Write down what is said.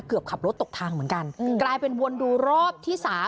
ขับรถตกทางเหมือนกันกลายเป็นวนดูรอบที่๓